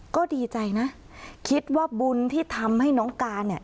ก็ดีใจนะคิดว่าบุญที่ทำให้น้องการเนี่ย